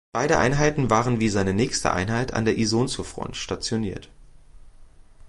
Beide Einheiten waren wie seine nächste Einheit an der Isonzofront stationiert.